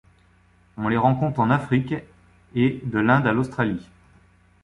On les rencontre en Afrique et de l'Inde à l'Australie.